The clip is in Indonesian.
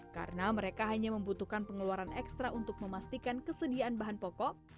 karena mereka hanya membutuhkan pengeluaran ekstra untuk memastikan kesediaan bahan pokok